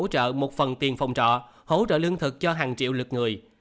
trợ một phần tiền phòng trọ hỗ trợ lương thực cho hàng triệu lượt người